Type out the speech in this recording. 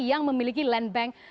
yang memiliki land bank